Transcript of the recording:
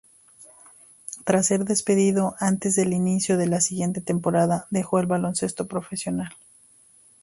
Tras ser despedido antes del inicio de la siguiente temporada, dejó el baloncesto profesional.